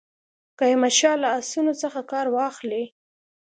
که احمدشاه له آسونو څخه کار واخلي.